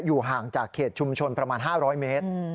ห่างจากเขตชุมชนประมาณ๕๐๐เมตร